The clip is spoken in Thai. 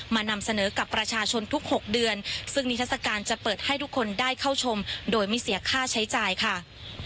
นำเสนอกับประชาชนทุก๖เดือนซึ่งนิทัศกาลจะเปิดให้ทุกคนได้เข้าชมโดยไม่เสียค่าใช้จ่ายค่ะ